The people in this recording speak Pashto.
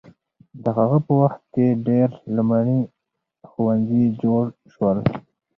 د هغه په وخت کې ډېر لومړني ښوونځي جوړ شول.